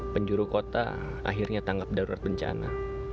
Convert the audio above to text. penjuru kota akhirnya tanggap darurat bencana